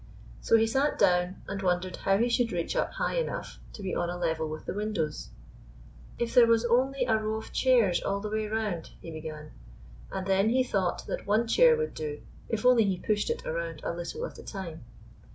So he sat down, and wondered how he should reach up high enough to be on a level with the windows. "If there was only a row of chairs all the way around," he began; and then he thought 152 IN A STRANGE LAND that one chair would do if only he pushed it around a little at a time.